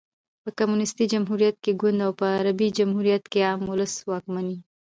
په کمونيسټي جمهوریت کښي ګوند او په عربي جمهوریت کښي عام اولس واکمن يي.